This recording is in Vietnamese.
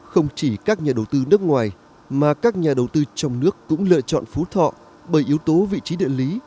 không chỉ các nhà đầu tư nước ngoài mà các nhà đầu tư trong nước cũng lựa chọn phú thọ bởi yếu tố vị trí địa lý